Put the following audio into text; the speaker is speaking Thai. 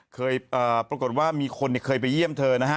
ปรากฏว่ามีคนเคยไปเยี่ยมเธอนะฮะ